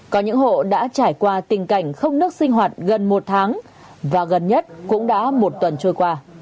có những hộ đã trải qua tình cảnh không nước sinh hoạt gần một tháng và gần nhất cũng đã một tuần trôi qua